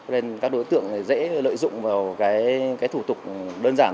nên các đối tượng dễ lợi dụng vào cái thủ tục đơn giản